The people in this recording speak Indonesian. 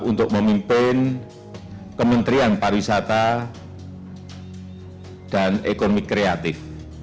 untuk memimpin kementerian pariwisata dan ekonomi kreatif